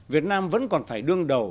việt nam vẫn còn phải đương đầu